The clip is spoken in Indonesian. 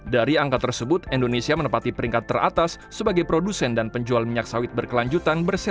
dari angka tersebut indonesia menempati peringkat teratas sebagai produsen dan penjual minyak sawit berkelanjutan